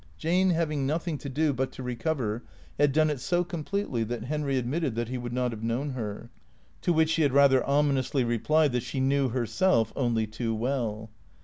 Jane having nothing to do but to recover had done it so completely that Henry admitted that he would not have known her. To which she had rather ominously replied that she knew herself, only too well.